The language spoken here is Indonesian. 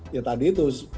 ya tadi itu